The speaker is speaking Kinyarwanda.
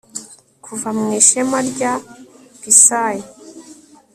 Kuva mu ishema rya Pisæ